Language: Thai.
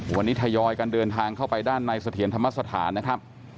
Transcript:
วันนี้ทยอยกันเดินทางเข้าไปด้านในเสถียรธรรมสถานนะครับ